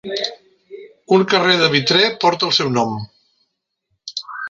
Un carrer de Vitré porta el seu nom.